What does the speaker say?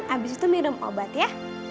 abis itu minum obat ya